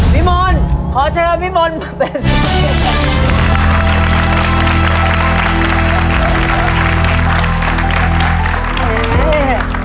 วิมนขอเชิญวิมนมาเป็น